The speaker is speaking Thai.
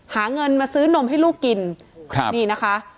หาเงินมาซื้อนมให้ลูกกินครับนี่นะคะ